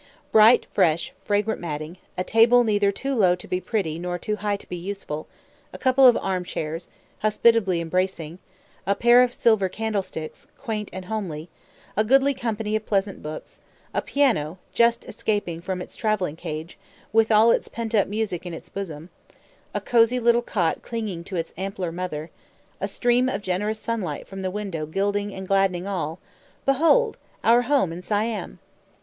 Bright, fresh, fragrant matting; a table neither too low to be pretty nor too high to be useful; a couple of armchairs, hospitably embracing; a pair of silver candlesticks, quaint and homely; a goodly company of pleasant books; a piano, just escaping from its travelling cage, with all its pent up music in its bosom; a cosey little cot clinging to its ampler mother; a stream of generous sunlight from the window gilding and gladdening all, behold our home in Siam!